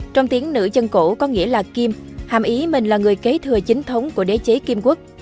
trong tiếng nữ chân cổ có nghĩa là kim hàm ý mình là người kế thừa chính thống của đế chế kim quốc